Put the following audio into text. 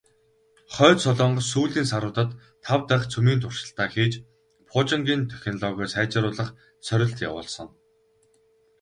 Хойд Солонгос сүүлийн саруудад тав дахь цөмийн туршилтаа хийж, пуужингийн технологио сайжруулах сорилт явуулсан.